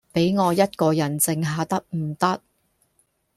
比我一個人靜下得唔得